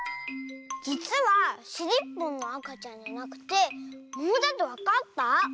じつはしりっぽんのあかちゃんじゃなくてももだとわかった？